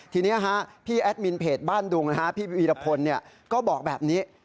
ทีนี้พี่แอดมินเพจบ้านดุงพี่วีรพลก็บอกแบบนี้